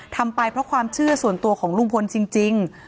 ทำไปเพราะความเชื่อส่วนตัวของลุงพลจริง